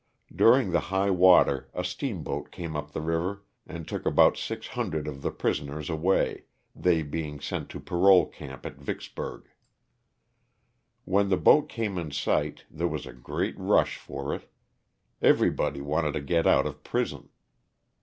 Daring the high water a steamboat came up the river and took about six hundred of the prisoners away, they being sent to parole camp at Vicksburg, When the boat came in sight there was a great rush for it. Everybody wanted to get out of prison.